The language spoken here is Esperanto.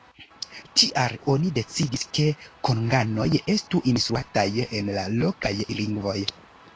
Tial oni decidis, ke konganoj estu instruataj en la lokaj lingvoj.